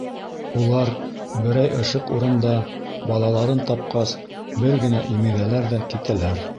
Улар берәй ышыҡ урында балаларын тапҡас, бер генә имеҙәләр ҙә, китәләр.